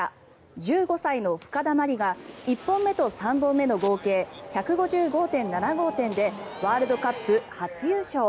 １５歳の深田茉莉が１本目と３本目の合計１５５．７５点でワールドカップ初優勝。